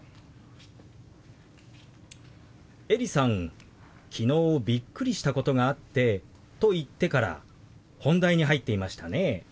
エリさん「昨日びっくりしたことがあって」と言ってから本題に入っていましたね。